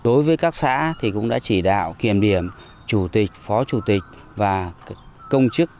đối với các xã thì cũng đã chỉ đạo kiểm điểm chủ tịch phó chủ tịch và công chức